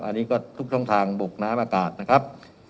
อันนี้ก็ทุกช่องทางบกน้ำอากาศนะครับ